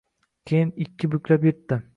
Keyin, ikki buklab yirtdi.